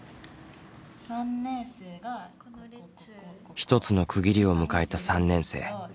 一つの区切りを迎えた３年生。